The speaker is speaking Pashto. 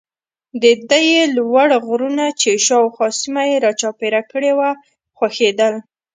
د ده یې لوړ غرونه چې شاوخوا سیمه یې را چاپېره کړې وه خوښېدل.